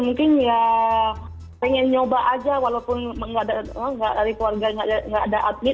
mungkin ya pengen nyoba aja walaupun enggak ada keluarga enggak ada atlet